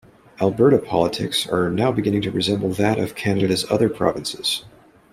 Alberta politics are now beginning to resemble that of Canada's other provinces.